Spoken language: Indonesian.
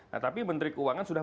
nah tapi menteri keuangan sudah